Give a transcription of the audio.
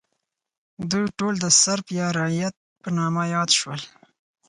دوی ټول د سرف یا رعیت په نامه یاد شول.